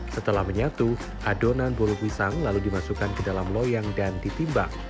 setelah menyatu adonan burung pisang lalu dimasukkan ke dalam loyang dan ditimbang